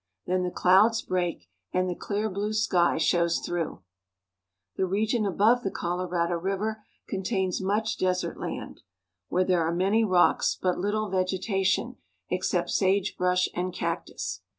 Then the clouds break, and the clear blue sky shows through. The region about the Colorado River contains much desert land, where there are manv rocks, but httle veeeta tion except sagebrush and cactus.